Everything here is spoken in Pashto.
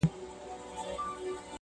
په نوراني غېږ کي دي مه لویوه.!